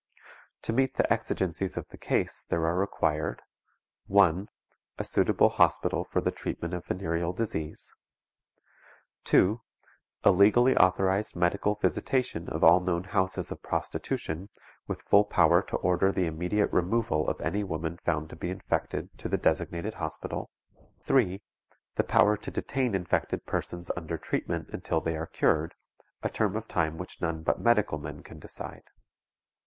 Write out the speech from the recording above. To meet the exigencies of the case there are required (1.) A suitable hospital for the treatment of venereal disease; (2.) A legally authorized medical visitation of all known houses of prostitution, with full power to order the immediate removal of any woman found to be infected to the designated hospital; (3.) The power to detain infected persons under treatment until they are cured, a term of time which none but medical men can decide.